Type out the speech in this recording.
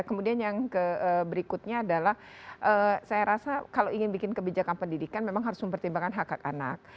kemudian yang berikutnya adalah saya rasa kalau ingin bikin kebijakan pendidikan memang harus mempertimbangkan hak hak anak